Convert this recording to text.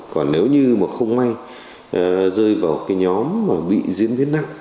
còn nếu như mà không may rơi vào nhóm bị diễn biến nặng